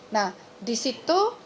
nah di situ